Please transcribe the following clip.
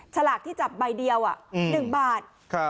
ฉลากที่จับใบเดียว๑บาท